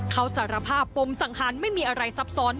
เขาสารภาพปมสังหารไม่มีอะไรซับซ้อน